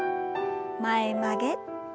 前曲げ。